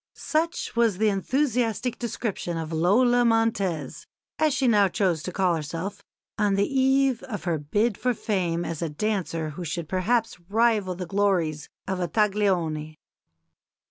Such was the enthusiastic description of Lola Montez (as she now chose to call herself) on the eve of her bid for fame as a dancer who should perhaps rival the glories of a Taglioni.